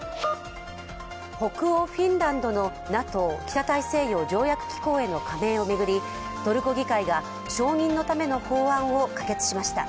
北欧フィンランドのＮＡＴＯ＝北大西洋条約機構への加盟を巡りトルコ議会が承認のための法案を可決しました。